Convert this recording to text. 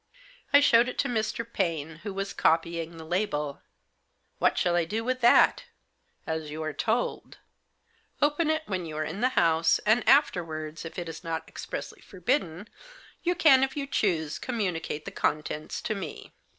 I showed it to Mr. Paine, who was copying the label. " What shall I do with that ?" Digitized by SOLE RESIDUARY LEGATEE. 55 " As you are told. Open it when you are in the house, and afterwards, if it is not expressly forbidden, you can, if you choose, communicate the contents to me.